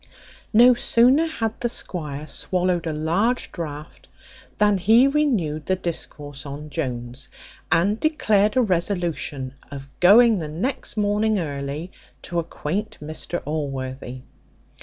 No sooner had the squire swallowed a large draught than he renewed the discourse on Jones, and declared a resolution of going the next morning early to acquaint Mr Allworthy.